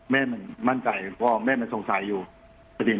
แม่มันมั่นใจเพราะแม่มันสงสัยอยู่สถิตินี้